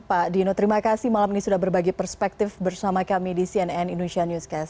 pak dino terima kasih malam ini sudah berbagi perspektif bersama kami di cnn indonesia newscast